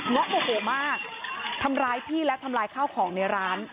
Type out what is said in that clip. ็อกโมโหมากทำร้ายพี่และทำลายข้าวของในร้าน